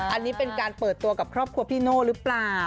อันนี้เป็นการเปิดตัวกับครอบครัวพี่โน่หรือเปล่า